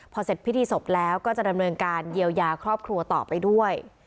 พอเสร็จพิธีศพแล้วก็จะดำเนินการเยียวยาครอบครัวต่อไปด้วย